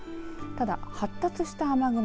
ただ、発達した雨雲